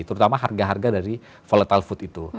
terutama harga harga dari volatile food itu